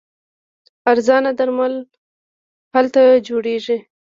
ارزانه درمل هلته جوړیږي.